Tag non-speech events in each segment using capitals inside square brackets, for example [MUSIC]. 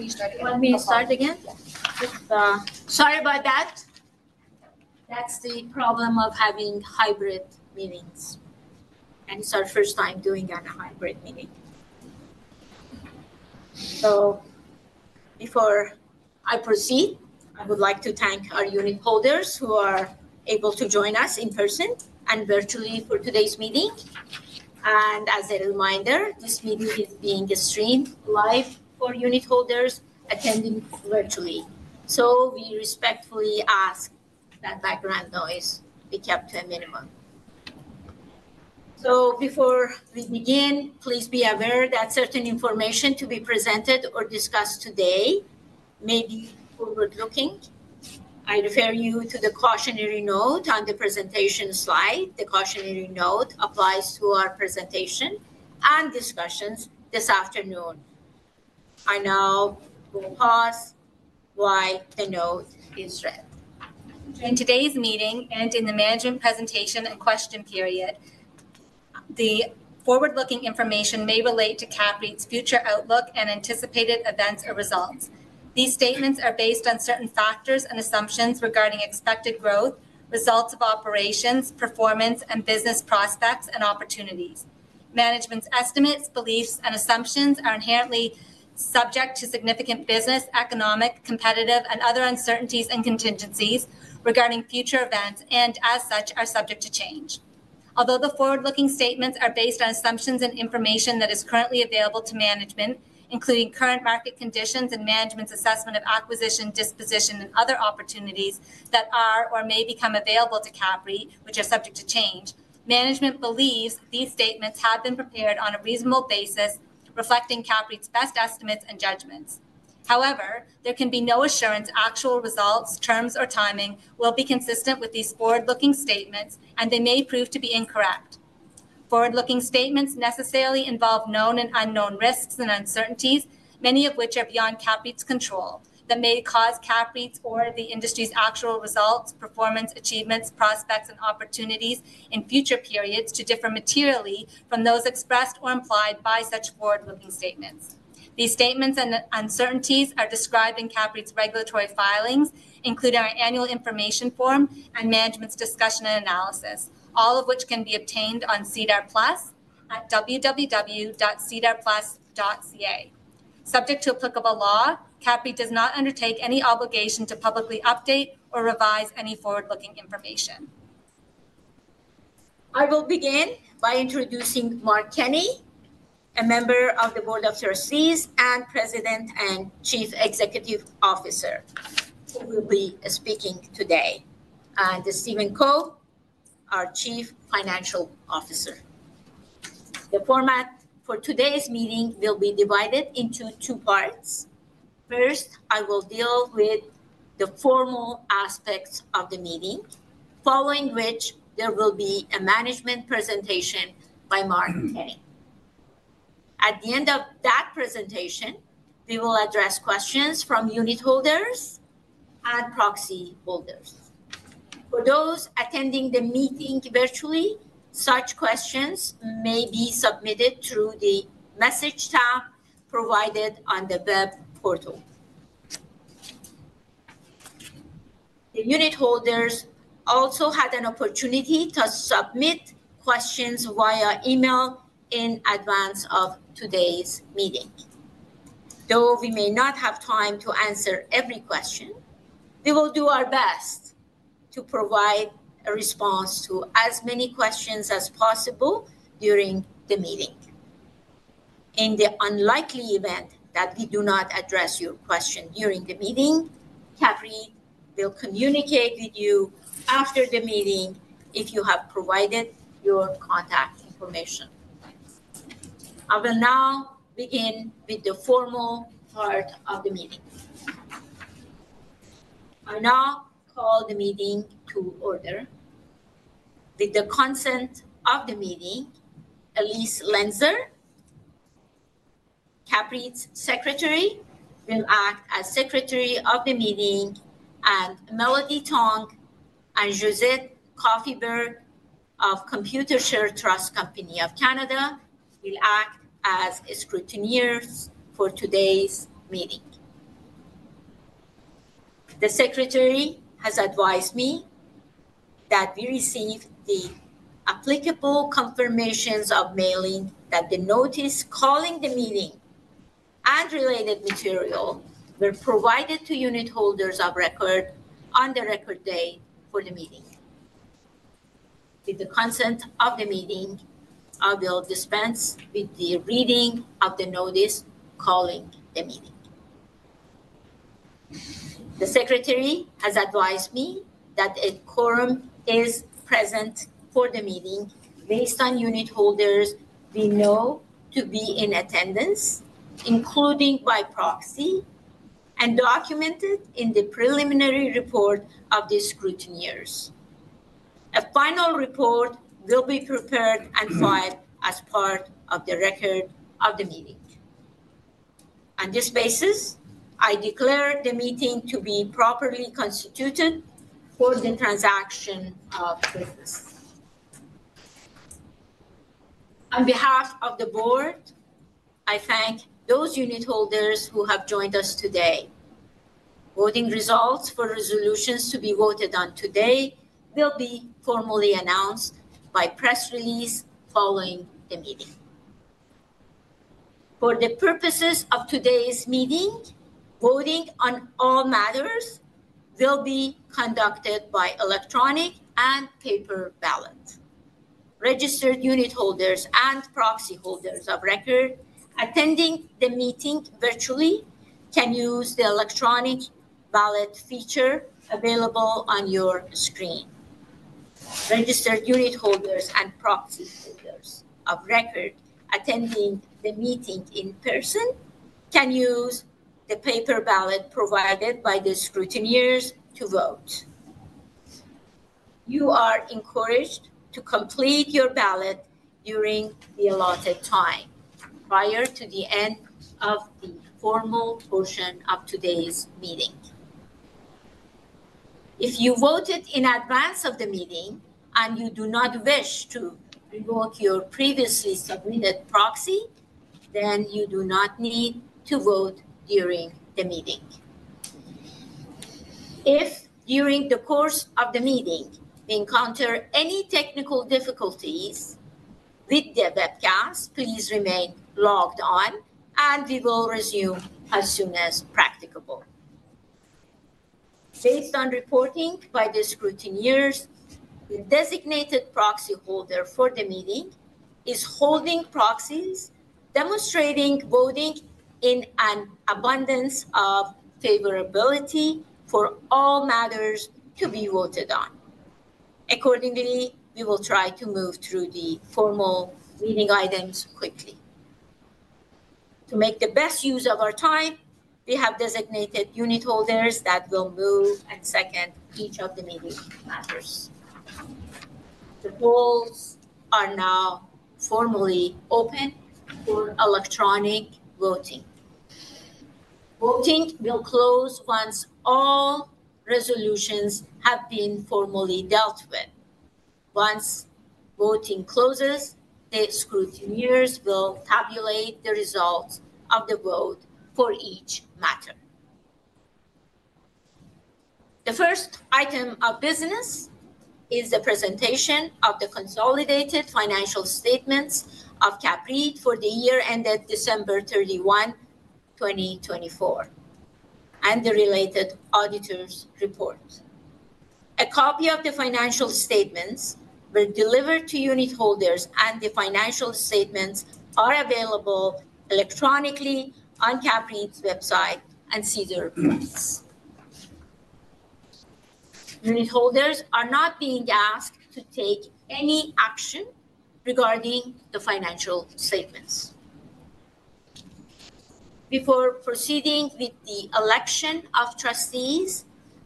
Yeah. Can you start again? [AUDIO DISTORTION] Sorry about that. That's the problem of having hybrid meetings. It's our first time doing a hybrid meeting. Before I proceed, I would like to thank our unit holders who are able to join us in person and virtually for today's meeting. As a reminder, this meeting is being streamed live for unit holders attending virtually. We respectfully ask that background noise be kept to a minimum. Before we begin, please be aware that certain information to be presented or discussed today may be forward-looking. I refer you to the cautionary note on the presentation slide. The cautionary note applies to our presentation and discussions this afternoon. I now will pause while the note is read. During today's meeting and in the management presentation and question period, the forward-looking information may relate to CAPREIT's future outlook and anticipated events or results. These statements are based on certain factors and assumptions regarding expected growth, results of operations, performance, and business prospects and opportunities. Management's estimates, beliefs, and assumptions are inherently subject to significant business, economic, competitive, and other uncertainties and contingencies regarding future events and, as such, are subject to change. Although the forward-looking statements are based on assumptions and information that is currently available to management, including current market conditions and management's assessment of acquisition, disposition, and other opportunities that are or may become available to CAPREIT, which are subject to change, management believes these statements have been prepared on a reasonable basis, reflecting CAPREIT's best estimates and judgments. However, there can be no assurance actual results, terms, or timing will be consistent with these forward-looking statements, and they may prove to be incorrect. Forward-looking statements necessarily involve known and unknown risks and uncertainties, many of which are beyond CAPREIT's control, that may cause CAPREIT's or the industry's actual results, performance, achievements, prospects, and opportunities in future periods to differ materially from those expressed or implied by such forward-looking statements. These statements and uncertainties are described in CAPREIT's regulatory filings, including our annual information form and management's discussion and analysis, all of which can be obtained on SEDAR+ at www.sedarplus.ca. Subject to applicable law, CAPREIT does not undertake any obligation to publicly update or revise any forward-looking information. I will begin by introducing Mark Kenney, a member of the Board of Trustees and President and Chief Executive Officer who will be speaking today, and Stephen Co, our Chief Financial Officer. The format for today's meeting will be divided into two parts. First, I will deal with the formal aspects of the meeting, following which there will be a management presentation by Mark Kenney. At the end of that presentation, we will address questions from unit holders and proxy holders. For those attending the meeting virtually, such questions may be submitted through the message tab provided on the web portal. The unit holders also had an opportunity to submit questions via email in advance of today's meeting. Though we may not have time to answer every question, we will do our best to provide a response to as many questions as possible during the meeting. In the unlikely event that we do not address your question during the meeting, CAPREIT will communicate with you after the meeting if you have provided your contact information. I will now begin with the formal part of the meeting. I now call the meeting to order. With the consent of the meeting, Elise Lenzer, CAPREIT's secretary, will act as secretary of the meeting, and Melody Tong and Josette Coffeyberg of Computershare Trust Company of Canada will act as scrutineers for today's meeting. The secretary has advised me that we received the applicable confirmations of mailing that the notice calling the meeting and related material were provided to unit holders of record on the record day for the meeting. With the consent of the meeting, I will dispense with the reading of the notice calling the meeting. The secretary has advised me that a quorum is present for the meeting based on unit holders we know to be in attendance, including by proxy, and documented in the preliminary report of the scrutineers. A final report will be prepared and filed as part of the record of the meeting. On this basis, I declare the meeting to be properly constituted for the transaction of business. On behalf of the board, I thank those unit holders who have joined us today. Voting results for resolutions to be voted on today will be formally announced by press release following the meeting. For the purposes of today's meeting, voting on all matters will be conducted by electronic and paper ballot. Registered unit holders and proxy holders of record attending the meeting virtually can use the electronic ballot feature available on your screen. Registered unit holders and proxy holders of record attending the meeting in person can use the paper ballot provided by the scrutineers to vote. You are encouraged to complete your ballot during the allotted time prior to the end of the formal portion of today's meeting. If you voted in advance of the meeting and you do not wish to revoke your previously submitted proxy, then you do not need to vote during the meeting. If during the course of the meeting we encounter any technical difficulties with the webcast, please remain logged on, and we will resume as soon as practicable. Based on reporting by the scrutineers, the designated proxy holder for the meeting is holding proxies demonstrating voting in an abundance of favorability for all matters to be voted on. Accordingly, we will try to move through the formal meeting items quickly. To make the best use of our time, we have designated unit holders that will move and second each of the meeting matters. The polls are now formally open for electronic voting. Voting will close once all resolutions have been formally dealt with. Once voting closes, the scrutineers will tabulate the results of the vote for each matter. The first item of business is the presentation of the consolidated financial statements of CAPREIT for the year ended December 31, 2024, and the related auditor's report. A copy of the financial statements was delivered to unit holders, and the financial statements are available electronically on CAPREIT's website and SEDAR+. Unit holders are not being asked to take any action regarding the financial statements. Before proceeding with the election of trustees,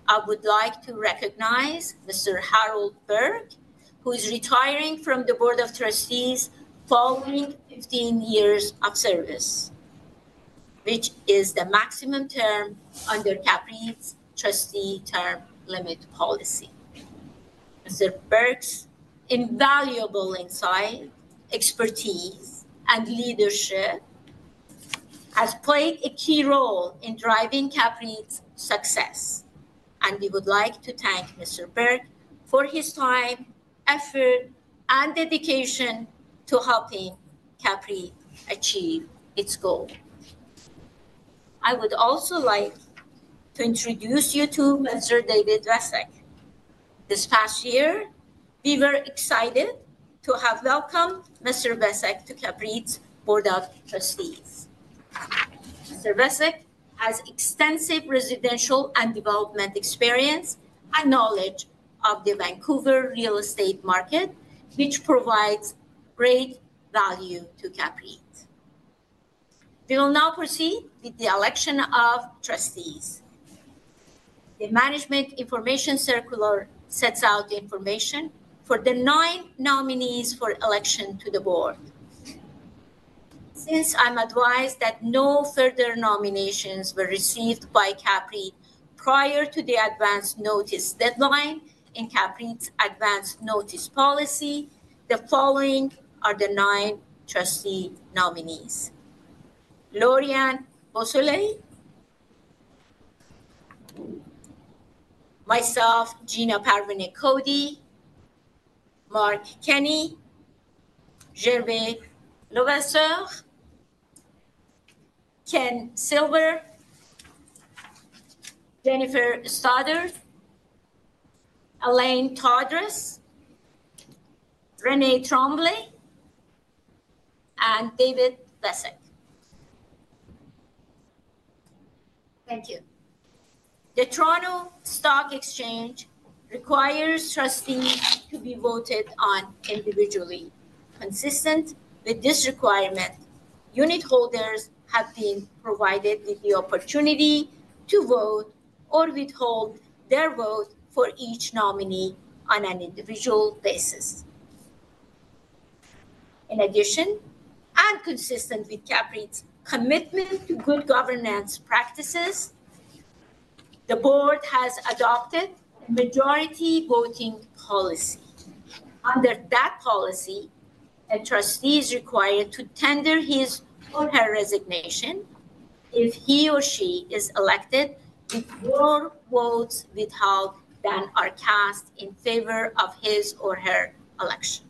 I would like to recognize Mr. Harold Burke, who is retiring from the Board of Trustees following 15 years of service, which is the maximum term under CAPREIT's trustee term limit policy. Mr. Burke's invaluable insight, expertise, and leadership have played a key role in driving CAPREIT's success, and we would like to thank Mr. Burke for his time, effort, and dedication to helping CAPREIT achieve its goal. I would also like to introduce you to Mr. David Vesak. This past year, we were excited to have welcomed Mr. Vesak to CAPREIT's Board of Trustees. Mr. Vesak has extensive residential and development experience and knowledge of the Vancouver real estate market, which provides great value to CAPREIT. We will now proceed with the election of trustees. The management information circular sets out information for the nine nominees for election to the board. Since I'm advised that no further nominations were received by CAPREIT prior to the advance notice deadline in CAPREIT's advance notice policy, the following are the nine trustee nominees: Lori Anne Bursley, myself, Gina Parvaneh Cody, Mark Kenney, Gervais Levasseur, Ken Silver, Jennifer Sodder, Elaine Todres, Renée Tremblay, and David Vesak. Thank you. The Toronto Stock Exchange requires trustees to be voted on individually. Consistent with this requirement, unit holders have been provided with the opportunity to vote or withhold their vote for each nominee on an individual basis. In addition, and consistent with CAPREIT's commitment to good governance practices, the board has adopted a majority voting policy. Under that policy, a trustee is required to tender his or her resignation if he or she is elected with more votes withheld than are cast in favor of his or her election.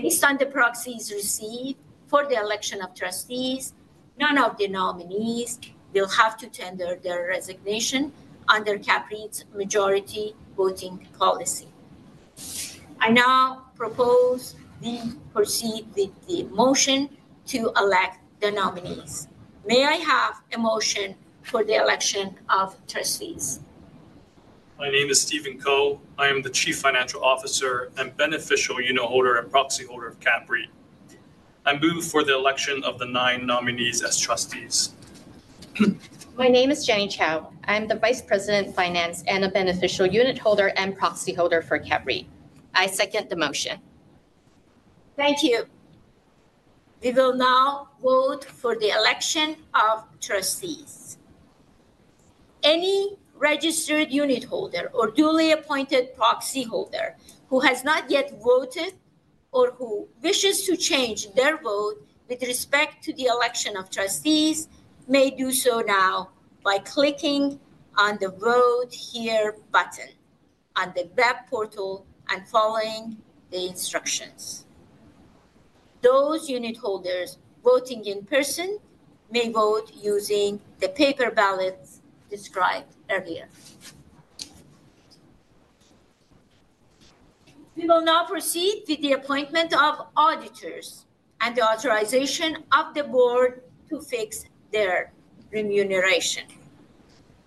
Based on the proxies received for the election of trustees, none of the nominees will have to tender their resignation under CAPREIT's majority voting policy. I now propose we proceed with the motion to elect the nominees. May I have a motion for the election of trustees? My name is Stephen Co. I am the Chief Financial Officer and beneficial unit holder and proxy holder of CAPREIT. I move for the election of the nine nominees as trustees. My name is Jenny Chou. I'm the Vice President of Finance and a beneficial unit holder and proxy holder for CAPREIT. I second the motion. Thank you. We will now vote for the election of trustees. Any registered unit holder or duly appointed proxy holder who has not yet voted or who wishes to change their vote with respect to the election of trustees may do so now by clicking on the Vote Here button on the web portal and following the instructions. Those unit holders voting in person may vote using the paper ballots described earlier. We will now proceed with the appointment of auditors and the authorization of the board to fix their remuneration.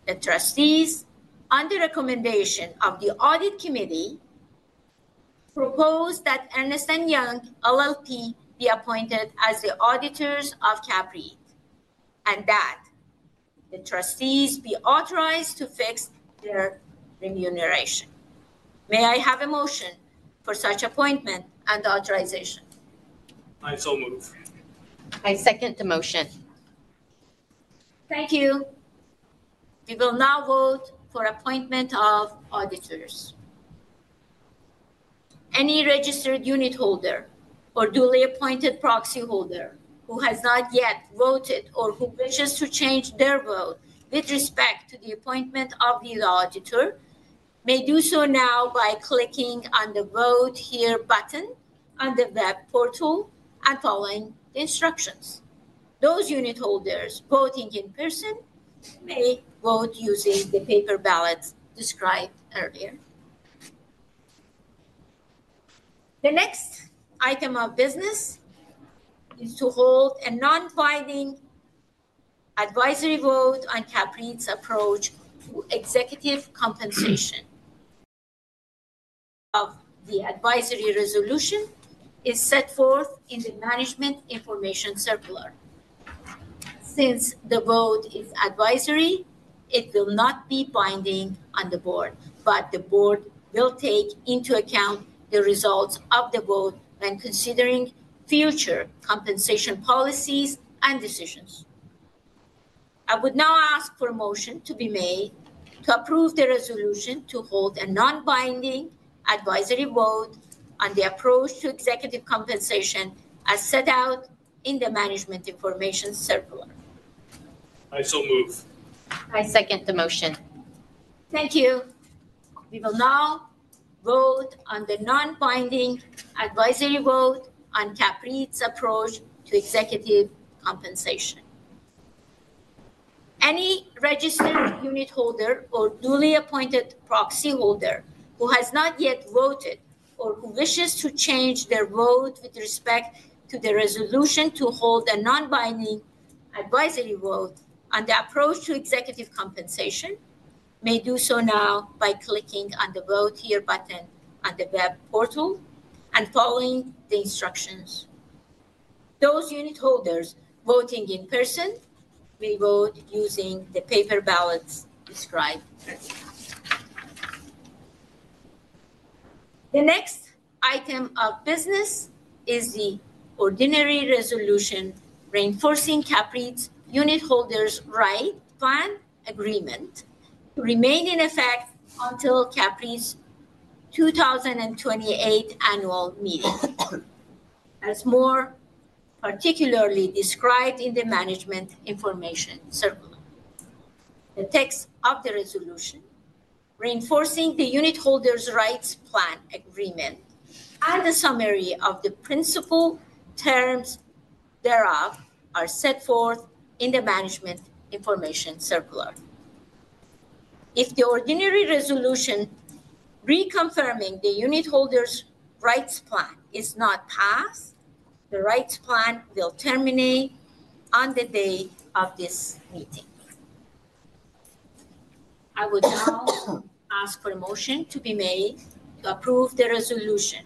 The trustees, on the recommendation of the audit committee, propose that Ernst & Young LLP be appointed as the auditors of CAPREIT and that the trustees be authorized to fix their remuneration. May I have a motion for such appointment and authorization? I so move. I second the motion. Thank you. We will now vote for appointment of auditors. Any registered unit holder or duly appointed proxy holder who has not yet voted or who wishes to change their vote with respect to the appointment of the auditor may do so now by clicking on the Vote Here button on the web portal and following the instructions. Those unit holders voting in person may vote using the paper ballots described earlier. The next item of business is to hold a non-binding advisory vote on CAPREIT's approach to executive compensation. The advisory resolution is set forth in the management information circular. Since the vote is advisory, it will not be binding on the board, but the board will take into account the results of the vote when considering future compensation policies and decisions. I would now ask for a motion to be made to approve the resolution to hold a non-binding advisory vote on the approach to executive compensation as set out in the management information circular. I so move. I second the motion. Thank you. We will now vote on the non-binding advisory vote on CAPREIT's approach to executive compensation. Any registered unit holder or duly appointed proxy holder who has not yet voted or who wishes to change their vote with respect to the resolution to hold a non-binding advisory vote on the approach to executive compensation may do so now by clicking on the Vote Here button on the web portal and following the instructions. Those unit holders voting in person may vote using the paper ballots described. The next item of business is the ordinary resolution reinforcing CAPREIT's unit holders' rights plan agreement to remain in effect until CAPREIT's 2028 annual meeting, as more particularly described in the management information circular. The text of the resolution reinforcing the unit holders' rights plan agreement and the summary of the principal terms thereof are set forth in the management information circular. If the ordinary resolution reconfirming the unit holders' rights plan is not passed, the rights plan will terminate on the day of this meeting. I would now ask for a motion to be made to approve the resolution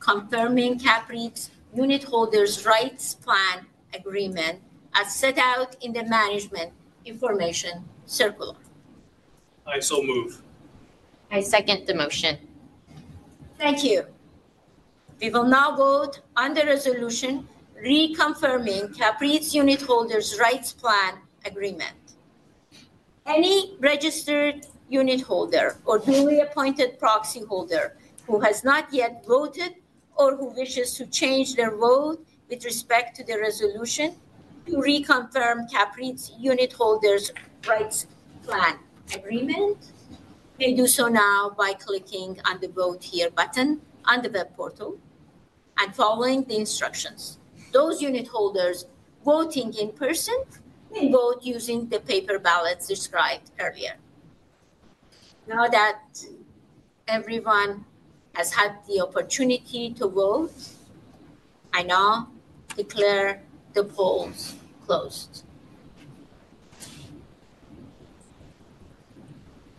confirming CAPREIT's unit holders' rights plan agreement as set out in the management information circular. I so move. I second the motion. Thank you. We will now vote on the resolution reconfirming CAPREIT's unit holders' rights plan agreement. Any registered unit holder or duly appointed proxy holder who has not yet voted or who wishes to change their vote with respect to the resolution to reconfirm CAPREIT's unit holders' rights plan agreement may do so now by clicking on the Vote Here button on the web portal and following the instructions. Those unit holders voting in person may vote using the paper ballots described earlier. Now that everyone has had the opportunity to vote, I now declare the polls closed.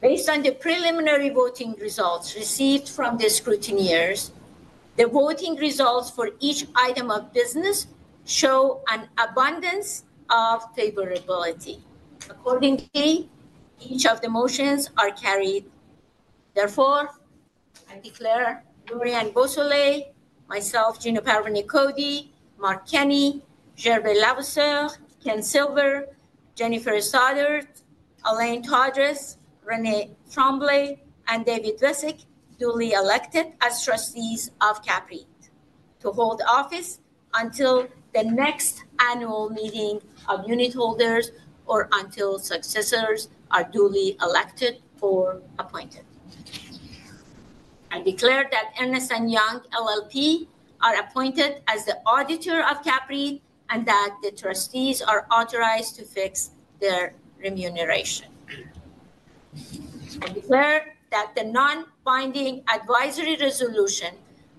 Based on the preliminary voting results received from the scrutineers, the voting results for each item of business show an abundance of favorability. Accordingly, each of the motions are carried. Therefore, I declare Lori Anne Bursley, myself, Gina Cody, Mark Kenney, Gervais Levasseur, Ken Silver, Jennifer Sodder, Elaine Todres, Renée Tremblay, and David Vesak duly elected as trustees of CAPREIT to hold office until the next annual meeting of unit holders or until successors are duly elected or appointed. I declare that Ernst & Young LLP are appointed as the auditor of CAPREIT and that the trustees are authorized to fix their remuneration. I declare that the non-binding advisory resolution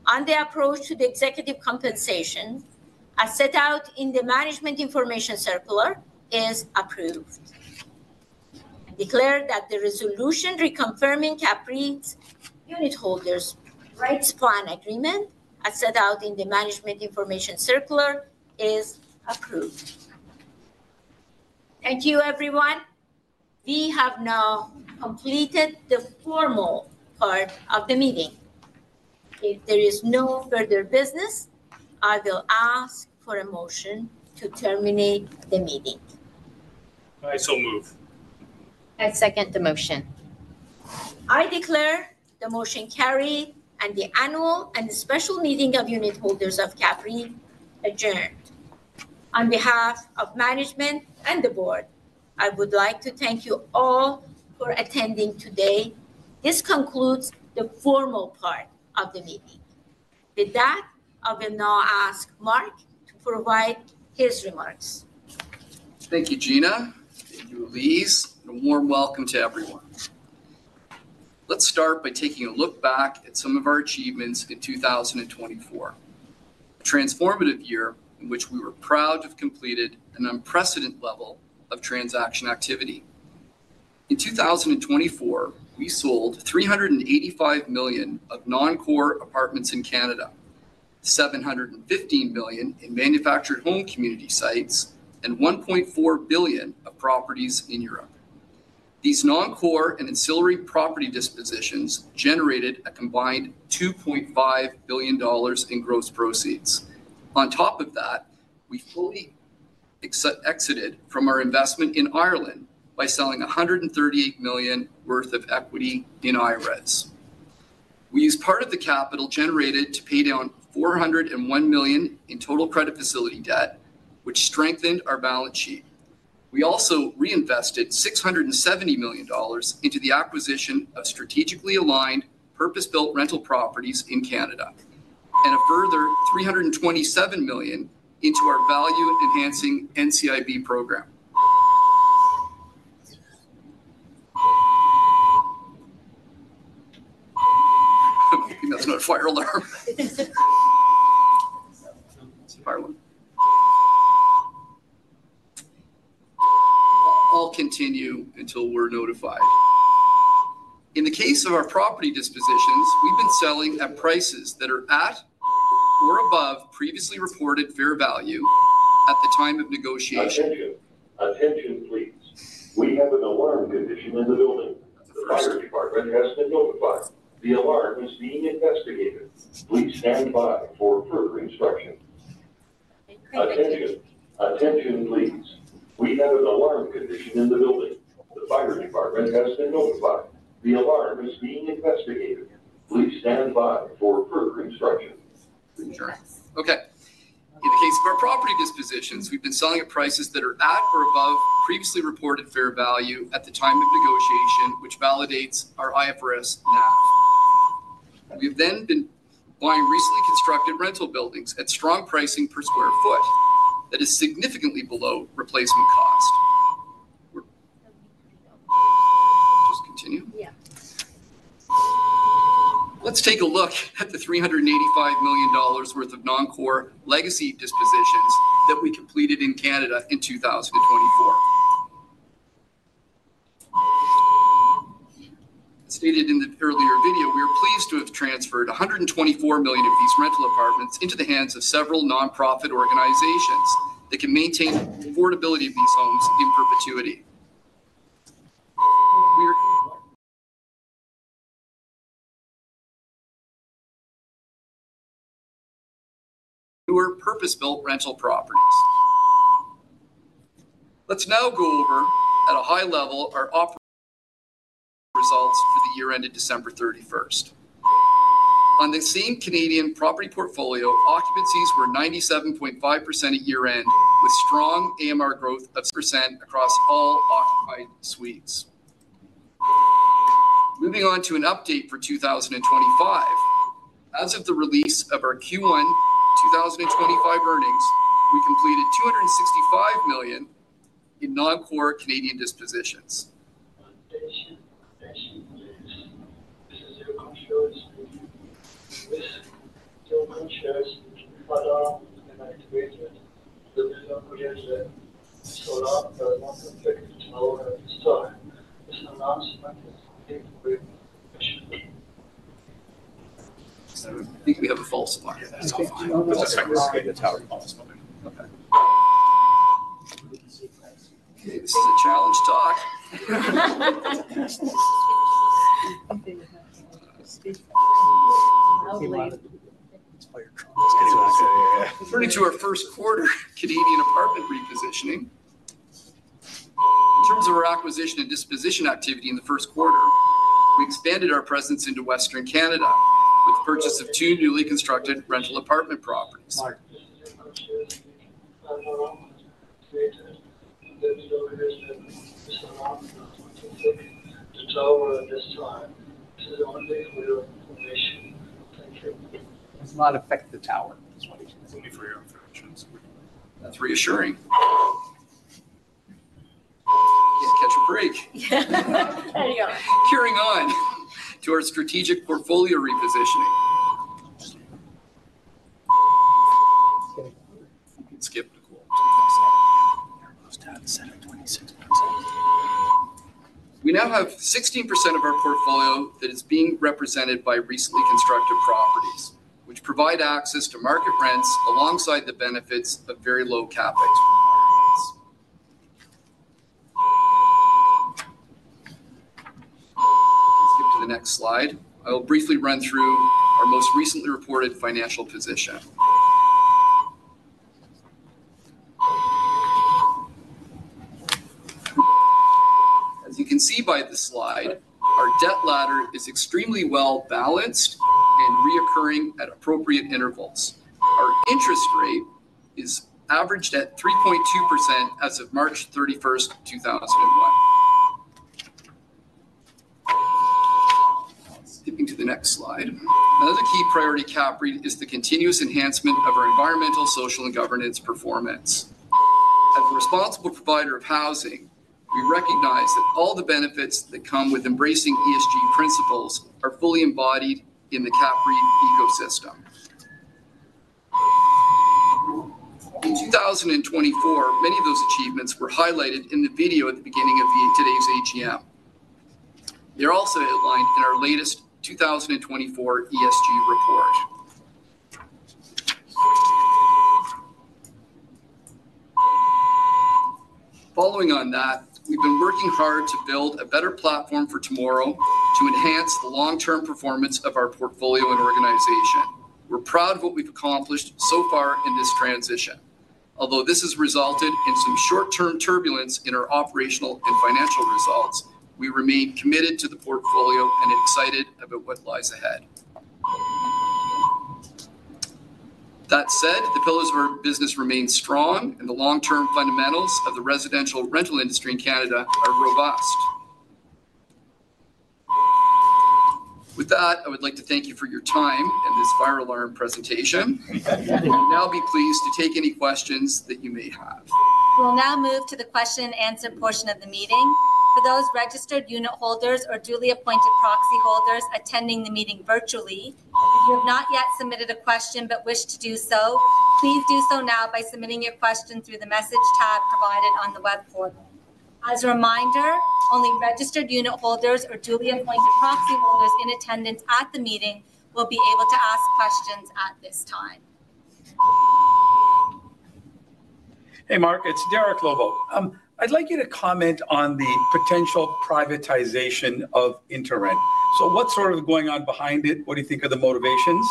on the approach to the executive compensation as set out in the management information circular is approved. I declare that the resolution reconfirming CAPREIT's unit holders' rights plan agreement as set out in the management information circular is approved. Thank you, everyone. We have now completed the formal part of the meeting. If there is no further business, I will ask for a motion to terminate the meeting. I so move. I second the motion. I declare the motion carried and the annual and the special meeting of unit holders of CAPREIT adjourned. On behalf of management and the board, I would like to thank you all for attending today. This concludes the formal part of the meeting. With that, I will now ask Mark to provide his remarks. Thank you, Gina. Thank you, Elise. And a warm welcome to everyone. Let's start by taking a look back at some of our achievements in 2024, a transformative year in which we were proud to have completed an unprecedented level of transaction activity. In 2024, we sold $ 385 million of non-core apartments in Canada, $ 715 million in manufactured home community sites, and $ 1.4 billion of properties in Europe. These non-core and ancillary property dispositions generated a combined $ 2.5 billion in gross proceeds. On top of that, we fully exited from our investment in Ireland by selling $ 138 million worth of equity in [IREIT]. We used part of the capital generated to pay down $ 401 million in total credit facility debt, which strengthened our balance sheet. We also reinvested $670 million into the acquisition of strategically aligned purpose-built rental properties in Canada and a further $327 million into our value-enhancing NCIB program. [I'm hoping that's not a] fire alarm. It's a fire alarm. I'll continue until we're notified. In the case of our property dispositions, we've been selling at prices that are at or above previously reported fair value at the time of negotiation. [AUDIO DISTORTION] The fire department has been notified. The alarm is being investigated. Please stand by for further instructions. [Chris.] Attention. Attention, please. We have an alarm condition in the building. The fire department has been notified. The alarm is being investigated. Please stand by for further instructions. Okay. In the case of our property dispositions, we've been selling at prices that are at or above previously reported fair value at the time of negotiation, which validates our IFRS NAV. We have then been buying recently constructed rental buildings at strong pricing per sq ft that is significantly below replacement cost. Just continue? [Yeah.] Let's take a look at the $385 million worth of non-core legacy dispositions that we completed in Canada in 2024. As stated in the earlier video, we are pleased to have transferred $124 million of these rental apartments into the hands of several nonprofit organizations that can maintain the affordability of these homes in perpetuity. We are [newer] purpose-built rental properties. Let's now go over, at a high level, our results for the year ended December 31. On the same Canadian property portfolio, occupancies were 97.5% at year end, with strong AMR growth of [percent] across all occupied suites. Moving on to an update for 2025. As of the release of our Q1 2025 earnings, we completed $265 million in non-core Canadian dispositions. Turning to our first quarter Canadian apartment repositioning. In terms of our acquisition and disposition activity in the first quarter, we expanded our presence into Western Canada with the purchase of two newly constructed rental apartment properties. [It's not affected the tower.] [That's reassuring]. Can't catch a break. There you go. Carrying on to our strategic portfolio repositioning. [AUDIO DISTORTION] We now have 16% of our portfolio that is being represented by recently constructed properties, which provide access to market rents alongside the benefits of very low CapEx requirements. Skip to the next slide. I will briefly run through our most recently reported financial position. As you can see by the slide, our debt ladder is extremely well balanced and reoccurring at appropriate intervals. Our interest rate is averaged at 3.2% as of March 31, 2021. Skipping to the next slide. Another key priority CAPREIT is the continuous enhancement of our environmental, social, and governance performance. As a responsible provider of housing, we recognize that all the benefits that come with embracing ESG principles are fully embodied in the CAPREIT ecosystem. In 2024, many of those achievements were highlighted in the video at the beginning of today's AGM. They're also outlined in our latest 2024 ESG report. Following on that, we've been working hard to build a better platform for tomorrow to enhance the long-term performance of our portfolio and organization. We're proud of what we've accomplished so far in this transition. Although this has resulted in some short-term turbulence in our operational and financial results, we remain committed to the portfolio and excited about what lies ahead. That said, the pillars of our business remain strong and the long-term fundamentals of the residential rental industry in Canada are robust. With that, I would like to thank you for your time and this fire alarm presentation. I'd now be pleased to take any questions that you may have. We'll now move to the question and answer portion of the meeting. For those registered unit holders or duly appointed proxy holders attending the meeting virtually, if you have not yet submitted a question but wish to do so, please do so now by submitting your question through the message tab provided on the web portal. As a reminder, only registered unit holders or duly appointed proxy holders in attendance at the meeting will be able to ask questions at this time. Hey, Mark. It's Derek Lovo. I'd like you to comment on the potential privatization of InterRent. So what's sort of going on behind it? What do you think are the motivations?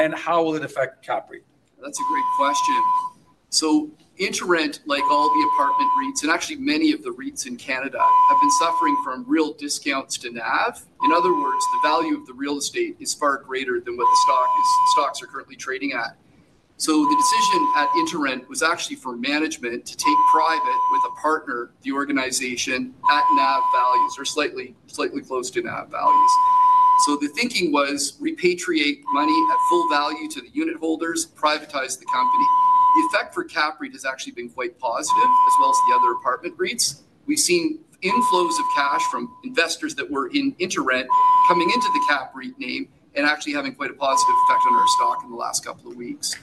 And how will it affect CAPREIT? That's a great question. InterRent, like all the apartment REITs and actually many of the REITs in Canada, have been suffering from real discounts to NAV. In other words, the value of the real estate is far greater than what the stocks are currently trading at. The decision at InterRent was actually for management to take private with a partner, the organization, at NAV values or slightly close to NAV values. The thinking was repatriate money at full value to the unit holders, privatize the company. The effect for CAPREIT has actually been quite positive, as well as the other apartment REITs. We've seen inflows of cash from investors that were in InterRent coming into the CAPREIT name and actually having quite a positive effect on our stock in the last couple of weeks.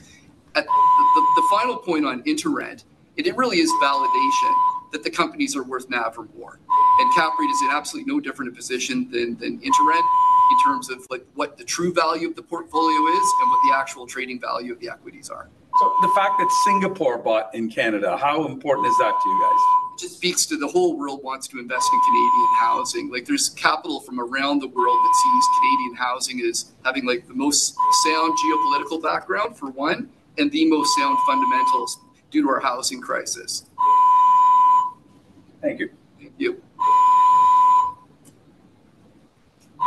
The final point on InterRent, it really is validation that the companies are worth NAV or more. And CAPREIT is in absolutely no different position than InterRent in terms of what the true value of the portfolio is and what the actual trading value of the equities are. The fact that Singapore bought in Canada, how important is that to you guys? It just speaks to the whole world wants to invest in Canadian housing. There is capital from around the world that sees Canadian housing as having the most sound geopolitical background, for one, and the most sound fundamentals due to our housing crisis. Thank you. Thank you.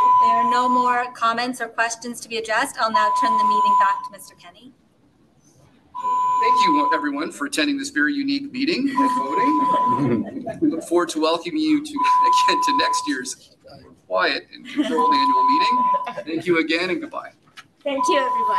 If there are no more comments or questions to be addressed, I'll now turn the meeting back to Mr. Kenney. Thank you, everyone, for attending this very unique meeting and voting. We look forward to welcoming you again to next year's quiet and controlled annual meeting. Thank you again and goodbye. Thank you, everyone.